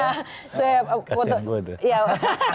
kasian gue tuh